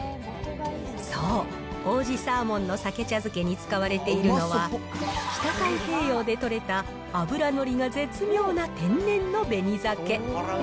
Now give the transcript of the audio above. そう、王子サーモンのさけ茶漬けに使われているのは北太平洋で取れた脂乗りが絶妙な天然の紅ざけ。